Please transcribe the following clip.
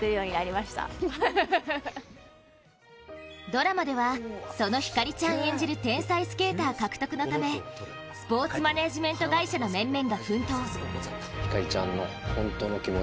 ドラマでは、その晃ちゃん演じる天才スケーター獲得のためスポーツマネージメント会社の面々が奮闘。